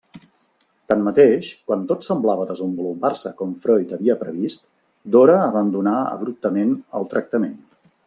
Tanmateix, quan tot semblava desenvolupar-se com Freud havia previst, Dora abandonà abruptament el tractament.